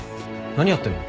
何やってんの？